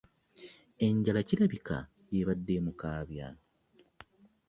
Enjala kirabika y'ebadde emukaabya.